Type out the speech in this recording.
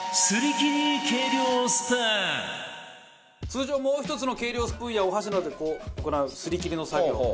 通常もう１つの計量スプーンやお箸などで行うすりきりの作業。